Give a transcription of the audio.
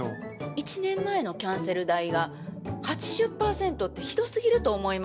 １年前のキャンセル代が８０％ってひどすぎると思います。